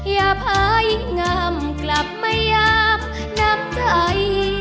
อย่าพาอีกงามกลับมาย้ำน้ำใจ